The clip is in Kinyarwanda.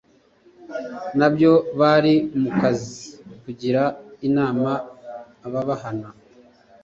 nabyo bari mu kazi kugira inama ababana